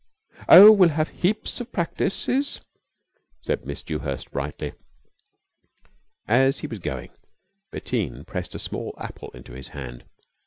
"Oh, we'll have heaps of practices," said Miss Dewhurst brightly. As he was going Bettine pressed a small apple into his hand.